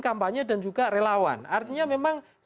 kampanye dan juga relawan artinya memang